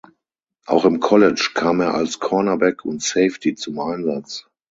Auch im College kam er als Cornerback und Safety zum Einsatz.